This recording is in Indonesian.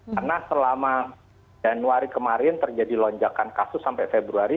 karena selama januari kemarin terjadi lonjakan kasus sampai februari